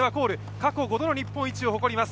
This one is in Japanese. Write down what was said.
過去５度の日本一を誇ります。